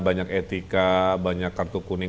banyak etika banyak kartu kuning